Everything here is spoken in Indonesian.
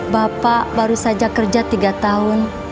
bapak baru saja kerja tiga tahun